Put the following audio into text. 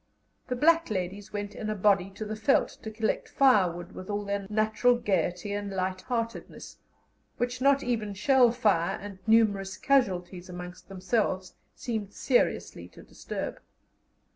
The black ladies went in a body to the veldt to collect firewood with all their natural gaiety and light heartedness, which not even shell fire and numerous casualties amongst themselves seemed seriously to disturb.